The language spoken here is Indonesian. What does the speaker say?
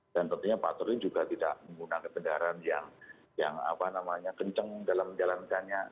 dan tentunya patroli juga tidak menggunakan kendaraan yang kencang dalam menjalankannya